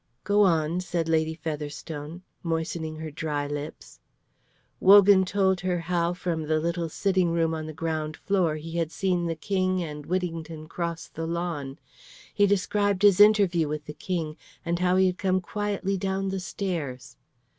"Go on," said Lady Featherstone, moistening her dry lips. Wogan told her how from the little sitting room on the ground floor he had seen the King and Whittington cross the lawn; he described his interview with the King, and how he had come quietly down the stairs.